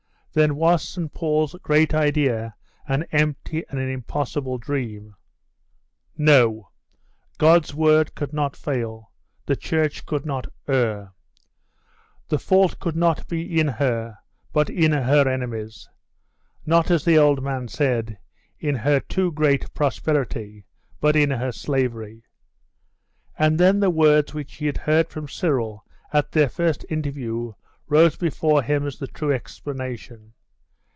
Then was Saint Paul's great idea an empty and an impossible dream? No! God's word could not fail; the Church could not err. The fault could not be in her, but in her enemies; not, as the old man said, in her too great prosperity, but in her slavery. And then the words which he had heard from Cyril at their first interview rose before him as the true explanation.